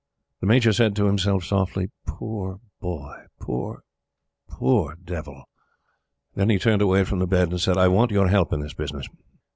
The Major said to himself softly: "Poor Boy! Poor, POOR devil!" Then he turned away from the bed and said: "I want your help in this business."